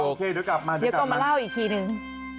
โอเคเดี๋ยวก่อนมาเล่าอีกทีหนึ่ง